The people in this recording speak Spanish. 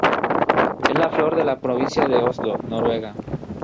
Es la flor de la provincia de Oslo, Noruega.